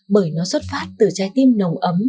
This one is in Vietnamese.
bởi nó xuất phát từ trái tim nồng ấm